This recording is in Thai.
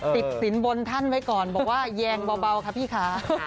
ติดสินบนท่านไว้ก่อนบอกว่าแยงเบาค่ะพี่คะ